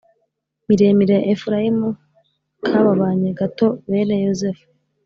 Miremire ya Efurayimu kababanye gato Bene Yozefu